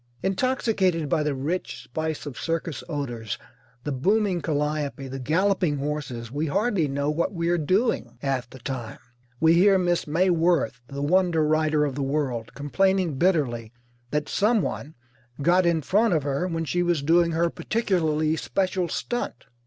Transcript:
Intoxicated by the rich spice of circus odours, the booming calliope, the galloping horses, we hardly know what we are doing half the time. We hear Miss May Wirth, the Wonder Rider of the World, complaining bitterly that someone got in front of her when she was doing her particularly special stunt.